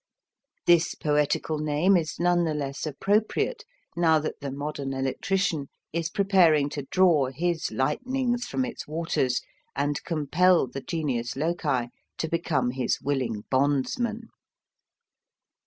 This poetical name is none the less appropriate now that the modern electrician is preparing to draw his lightnings from its waters and compel the genius loci to become his willing bondsman.